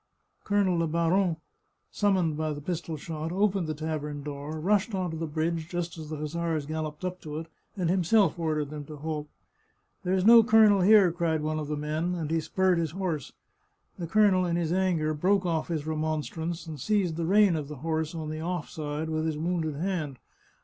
Colonel Le Baron, summoned by the pistol shot, opened the tavern door, rushed on to the bridge just as the hussars galloped up to it, and himself ordered them to halt. " There's no colonel here," cried one of the men, and he spurred his horse. The colonel in his anger broke off his remonstrance, and seized the rein of the horse on the off side with his wounded hand.